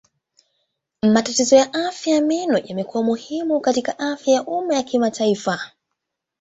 Matatizo ya afya ya meno yamekuwa muhimu katika afya ya umma ya kimataifa.